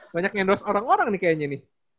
banyak endorse orang orang nih kayaknya nih